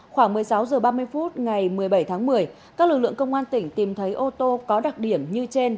khoảng một mươi sáu h ba mươi phút ngày một mươi bảy tháng một mươi các lực lượng công an tỉnh tìm thấy ô tô có đặc điểm như trên